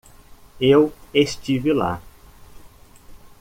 Eu estive lá